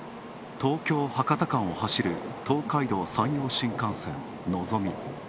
東京博多間を走る東海道山陽新幹線、のぞみ。